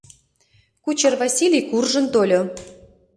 Кучер Василий куржын тольо.